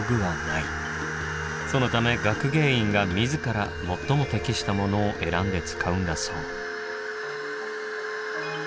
そのため学芸員が自ら最も適したものを選んで使うんだそう。